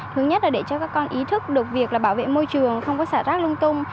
thứ nhất là để cho các con ý thức được việc là bảo vệ môi trường không có xả rác lưng công